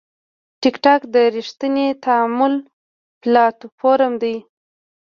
ټکټاک د ریښتیني تعامل پلاتفورم دی.